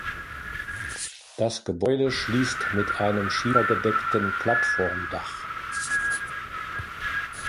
Das Gebäude schließt mit einem schiefergedeckten Plattformdach.